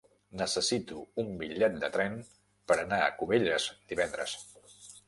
Necessito un bitllet de tren per anar a Cubelles divendres.